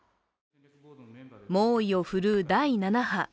猛威を振るう第７波。